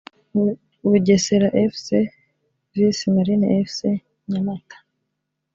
Bugesera Fc vs Marines Fc (Nyamata)